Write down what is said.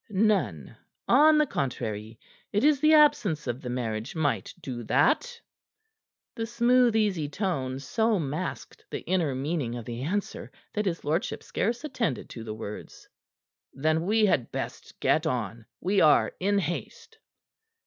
"None. On the contrary, it is the absence of the marriage might do that." The smooth, easy tone so masked the inner meaning of the answer that his lordship scarce attended to the words. "Then we had best get on. We are in haste."